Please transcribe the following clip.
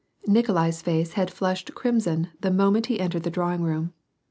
Nikolai's face had flushed crimson the moment he entered the drawing room.